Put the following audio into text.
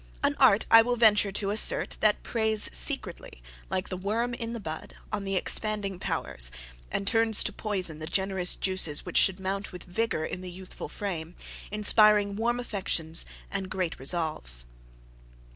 An art, I will venture to assert, that preys secretly, like the worm in the bud, on the expanding powers, and turns to poison the generous juices which should mount with vigour in the youthful frame, inspiring warm affections and great resolves.